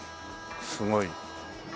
すごい。